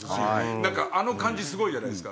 なんかあの感じすごいじゃないですか。